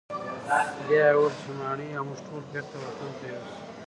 بیا یې وویل چې ماڼۍ او موږ ټول بیرته وطن ته یوسه.